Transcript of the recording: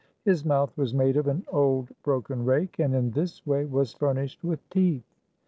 His mouth was made of an old broken rake, and in this way was furnished with teeth.